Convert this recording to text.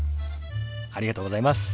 ありがとうございます。